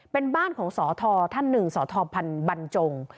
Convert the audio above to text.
เป็นบ้านของสธท่านหนึ่งสทพันธ์บรรจง